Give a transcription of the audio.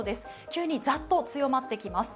急にざっと強まってきます。